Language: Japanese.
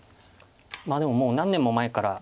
でももう何年も前から。